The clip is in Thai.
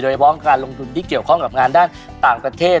โดยพร้อมการลงทุนที่เกี่ยวข้องกับงานด้านต่างประเทศ